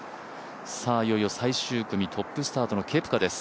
いよいよ最終組トップスタートのケプカです。